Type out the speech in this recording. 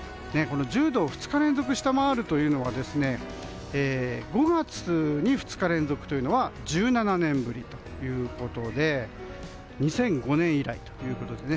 １０度を２日連続下回るというのは５月に２日連続というのは１７年ぶりということで２００５年以来ということです。